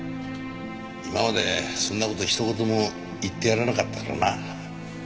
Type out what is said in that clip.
今までそんな事一言も言ってやらなかったからな。